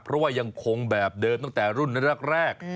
เพราะว่ายังคงแบบเดิมตั้งแต่รุ่นแรก